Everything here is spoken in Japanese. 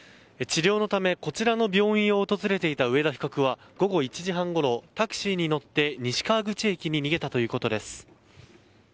治療のためこちらの病院を訪れていた上田被告は午後１時半ごろタクシーに乗って西川口駅に逃げたということです。